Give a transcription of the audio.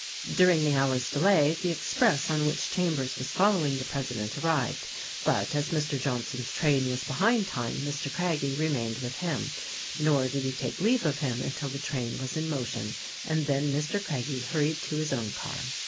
During the hour's delay the express on which Chambers was following the president arrived; but, as Mr. Johnson's train was behind time, Mr. Craggie remained with him ; nor did he take leave of him until the train was in motion, and then Mr. Craggie hurried to his own car.